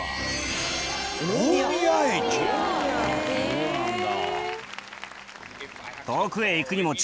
そうなんだ。